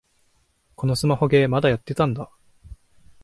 このスマホゲー、まだやってたんだ